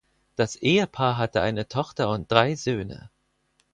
Das Ehepaar hatte eine Tochter und drei Söhne.